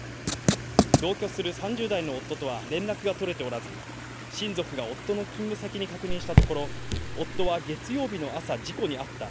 同居する３０代の夫とは連絡が取れておらず、親族が夫の勤務先に確認したところ、夫は月曜日の朝、事故に遭った。